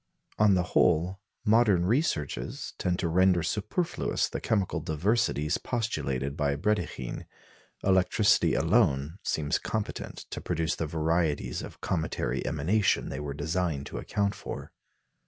On the whole, modern researches tend to render superfluous the chemical diversities postulated by Brédikhine. Electricity alone seems competent to produce the varieties of cometary emanation they were designed to account for.